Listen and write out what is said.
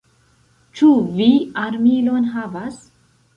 Ĉu vi armilon havas?